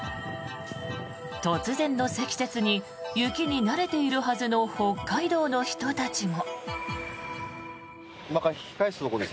突然の積雪に雪に慣れているはずの北海道の人たちも。